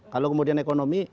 kalau kemudian ekonomi